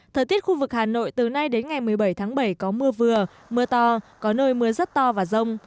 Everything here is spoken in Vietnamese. thời tiết khu vực hà nội từ nay đến ngày một mươi bảy tháng bảy có mưa vừa mưa to có nơi mưa rất to và rông